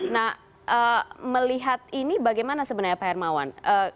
nah melihat ini bagaimana sebenarnya pak hermawan